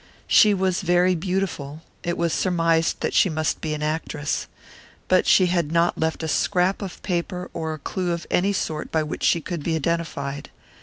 She was very beautiful; it was surmised that she must be an actress. But she had left not a scrap of paper or a clew of any sort by which she could be identified.